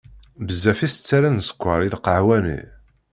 Bezzaf i s-terra n sskeṛ i lqahwa-nni.